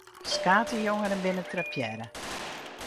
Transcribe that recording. Ferskate jongeren binne trappearre.